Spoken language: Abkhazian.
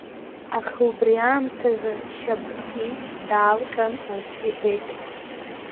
Аха убри аамҭазы Шьапкьи даалҟьаны ус иҳәеит…